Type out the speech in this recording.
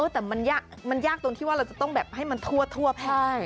แต่มันยากตรงที่ว่าเราจะต้องแบบให้มันทั่วแพทย์